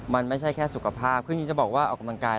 ไม่ใช่แค่สุขภาพเพราะฉะนั้นจะบอกว่าออกกำลังกาย